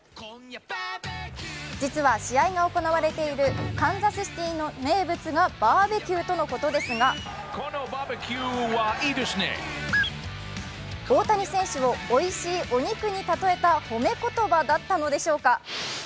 実は試合が行われているカンザスシティの名物がバーベキューとのことですが大谷選手をおいしいお肉に例えたほめ言葉だったのでしょうか？。